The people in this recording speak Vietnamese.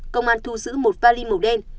công an thu giữ một vali màu đen